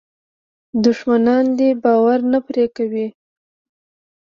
دښمنان دې باور نه پرې کوي.